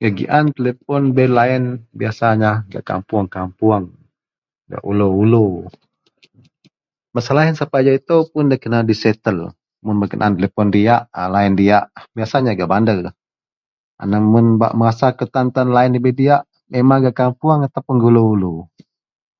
gak giaan telepon dabei laien biasanya gak kapoung-kapoung gak ulou-ulu, masalah ien sapai ajau itou pun da kena di settle, mun bak kenaan telepon diak a laien diak biasanya gak bandar, aneng mun bak merasa kutan tan laien dabei diak memang kapoung atau gak ulou-ulu